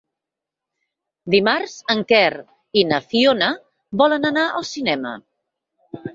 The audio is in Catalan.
Dimarts en Quer i na Fiona volen anar al cinema.